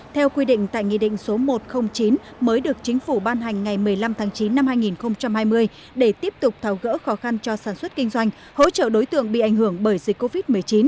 theo quy định tại nghị định số một trăm linh chín mới được chính phủ ban hành ngày một mươi năm tháng chín năm hai nghìn hai mươi để tiếp tục tháo gỡ khó khăn cho sản xuất kinh doanh hỗ trợ đối tượng bị ảnh hưởng bởi dịch covid một mươi chín